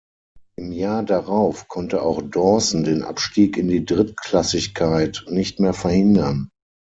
Im Jahr darauf konnte auch Dawson den Abstieg in die Drittklassigkeit nicht mehr verhindern.